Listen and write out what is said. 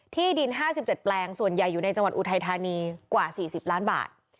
ที่ดิน๕๗แปลงส่วนใหญ่อยู่ในจังหวัดอุทัยธานีกว่า๔๐ล้านบาท